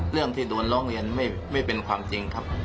เรื่องที่โดนร้องเรียนไม่เป็นความจริงครับ